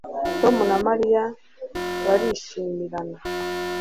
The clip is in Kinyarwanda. Tom na Mariya barishimirana